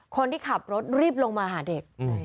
คนที่ขับรถรีบลงมาหาเด็ก